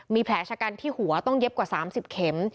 มีแผลชะกันที่หัวต้องเย็บกว่า๓๐เข็ม